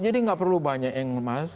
jadi nggak perlu banyak yang masuk